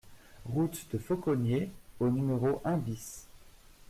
Route de Faucogney au numéro un BIS